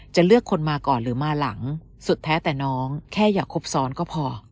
จะเลือกคนมาก่อนหรือมาหลังสุดแท้แต่น้องแค่อย่าครบซ้อนก็พอ